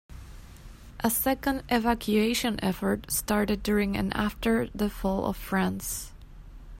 A second evacuation effort started during and after the fall of France.